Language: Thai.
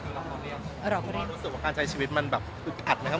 เราก็ได้รู้สึกว่าการใช้ชีวิตมันแบบอึดอัดนะครับ